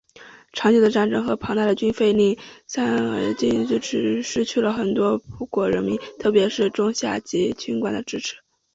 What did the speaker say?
长久的战争和庞大的军费令萨拉查军政权失去了很多葡国人民特别是中下级军官的支持。